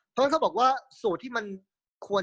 เพราะ๑๙๓๘ที่มันควร